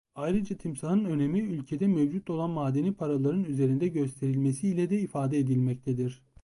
Ayrıca timsahın önemi ülkede mevcut olan madeni paraların üzerinde gösterilmesi ile de ifade edilmektedir.